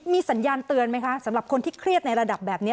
มีสัญญาณเตือนไหมคะสำหรับคนที่เครียดในระดับแบบนี้